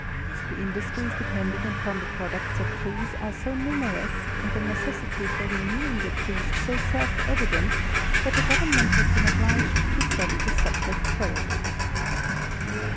The industries depending upon the products of trees are so numerous and the necessity for renew ing the trees so self evident that the government has bfeen obliged to study the subject thoroughly.